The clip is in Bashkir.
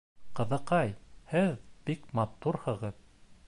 Ҡыҙыҡай, һеҙ бик матурһығыҙ!